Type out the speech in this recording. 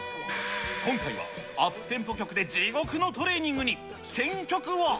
今回はアップテンポ曲で地獄のトレーニングに、選曲は。